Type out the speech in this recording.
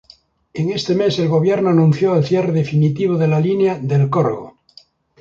En ese mes, el gobierno anunció el cierre definitivo de la Línea del Corgo.